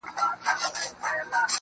گـــډ وډ يـهـــوديـــان.